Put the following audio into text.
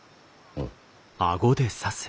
うん。